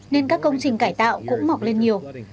nên các công trình cải tạo cũng mọc lên nhiều